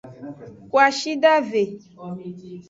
Kwashidave.